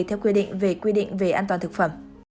theo quy định về quy định về an toàn thực phẩm